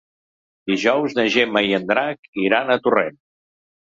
Dijous na Gemma i en Drac iran a Torrent.